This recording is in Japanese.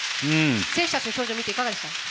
選手たちの表情見ていかがでしたか？